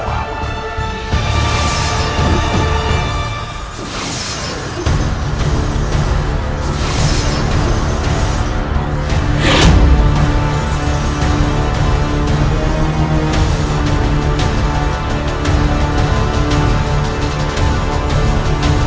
bukti prabu yang diberikan kemampuan untuk menemukan bukti prabu